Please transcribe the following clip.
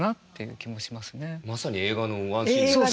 まさに映画のワンシーンですね。